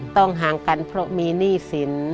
ห่างกันเพราะมีหนี้สิน